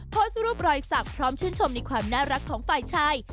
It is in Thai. โพสต์รูปรอยสักพร้อมชื่นชมในความน่ารักของฝ่ายชาย